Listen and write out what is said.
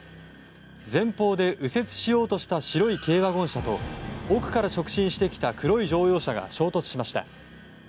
前方で右折しようとした白い軽ワゴン車と奥から直進してきた黒い乗用車が衝突しました。